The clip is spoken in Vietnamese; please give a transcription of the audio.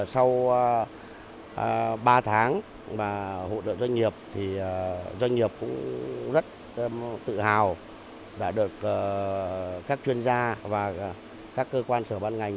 sau ba tháng hỗ trợ doanh nghiệp doanh nghiệp cũng rất tự hào đã được các chuyên gia và các cơ quan sở văn ngành